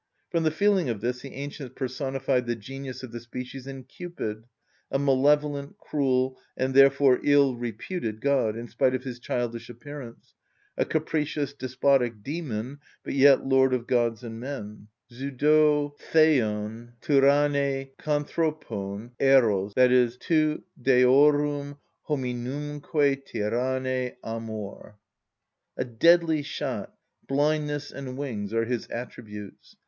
From the feeling of this the ancients personified the genius of the species in Cupid, a malevolent, cruel, and therefore ill‐reputed god, in spite of his childish appearance; a capricious, despotic demon, but yet lord of gods and men: "Συ δ᾽ω θεων τυραννε κ᾽ανθρωπων, Ερως!" (Tu, deorum hominumque tyranne, Amor!) A deadly shot, blindness, and wings are his attributes.